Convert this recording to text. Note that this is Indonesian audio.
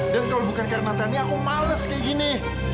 dan kalau bukan karena tania aku males kayak gini